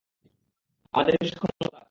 আমাদের বিশেষ ক্ষমতা আছে।